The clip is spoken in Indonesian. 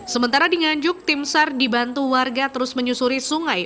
sementara di nganjuk timsar dibantu warga terus menyusuri sungai